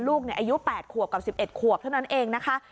ลูกอายุ๘ขวบกับ๑๑ขวบเท่านั้นเองนะคะ